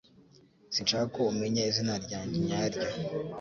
Sinshaka ko umenya izina ryanjye nyaryo